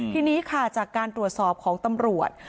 ทีนี้ค่ะจากการตรวจสอบของตำรวจ